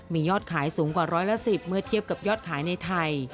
มียอดขายสูงกว่าร้อยละ๑๐เมื่อเทียบกับยอดขายในไทย